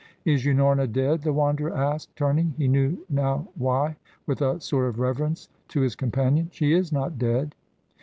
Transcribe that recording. "Is Unorna dead?" the Wanderer asked, turning, he knew now why, with a sort of reverence to his companion. "She is not dead."